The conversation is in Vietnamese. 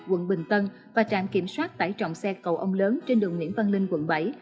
quận bình tân và trạm kiểm soát tải trọng xe cầu ông lớn trên đường nguyễn văn linh quận bảy